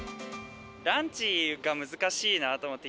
ランチが難しいなと思って。